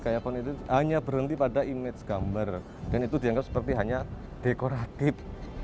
gaya pon itu hanya berhenti pada image gambar dan itu dianggap seperti hanya dekoratif